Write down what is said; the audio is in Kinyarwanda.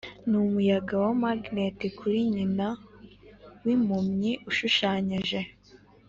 numuyaga wa magneti kuri nyina wimpumyi ushushanyije,